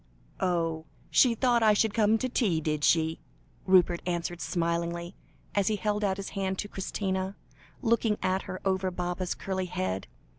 "Oh! she thought I should come to tea, did she?" Rupert answered, smiling, as he held out his hand to Christina, looking at her over Baba's curly head.